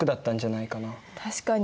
確かに。